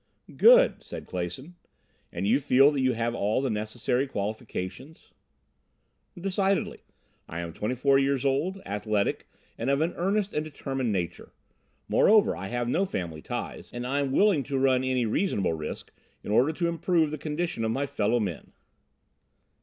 "Good," said Clason. "And you feel that you have all the necessary qualifications?" "Decidedly. I am 24 years old, athletic, and of an earnest and determined nature. Moreover, I have no family ties, and I'm willing to run any reasonable risk in order to improve the condition of my fellow men."